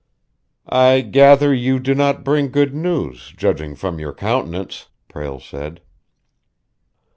"I gather you do not bring good news, judging from your countenance," Prale said.